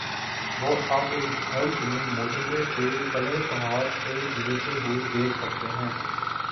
وہ آپ ایک جھلک میں موٹروے پہ کلرکہار سے گزرتے ہوئے دیکھ سکتے ہیں۔